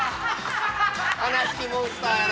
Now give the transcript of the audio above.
◆悲しいモンスターやな。